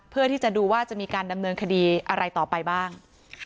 เพื่อที่จะดูว่าจะมีการดำเนินคดีอะไรต่อไปบ้าง